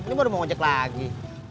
ini baru mau ngejek lagi